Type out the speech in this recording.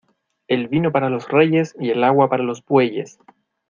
El vino para los reyes y el agua para los bueyes.